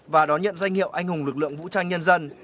và đón nhận danh hiệu anh hùng lực lượng vũ trang nhân dân